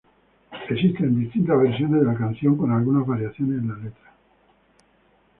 Existen distintas versiones de la canción con algunas variaciones en la letra.